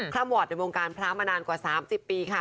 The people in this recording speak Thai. คล่ำวอดในวงการพระมานานกว่า๓๐ปีค่ะ